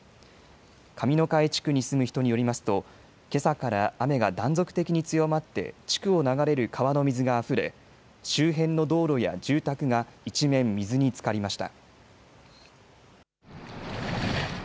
上ノ加江地区に住む人によりますとけさから雨が断続的に強まって地区を流れる川の水があふれ周辺の道路や住宅が一面水につかりました。